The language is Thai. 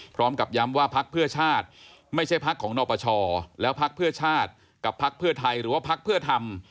พร้อมกับย้ำว่าพักเพื่อชาติไม่ใช่พักของนปชแล้วพักเพื่อชาติกับพักเพื่อไทยหรือว่าพักเพื่อทำ